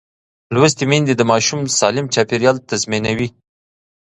لوستې میندې د ماشوم سالم چاپېریال تضمینوي.